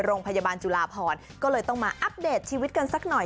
โรงพยาบาลจุลาพรก็เลยต้องมาอัปเดตชีวิตกันสักหน่อย